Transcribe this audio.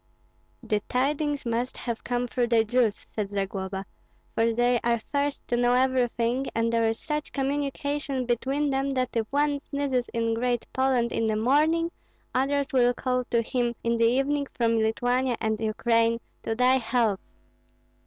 "The tidings must have come through the Jews," said Zagloba; "for they are first to know everything, and there is such communication between them that if one sneezes in Great Poland in the morning, others will call to him in the evening from Lithuania and the Ukraine, 'To thy health!'"